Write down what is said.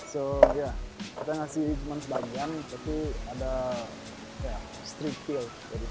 so ya kita ngasih cuman sebagian tapi ada ya street feel